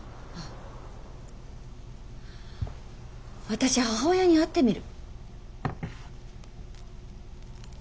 私母親に会ってみる。